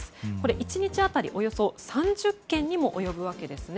１日当たりおよそ３０件にも及ぶわけですね。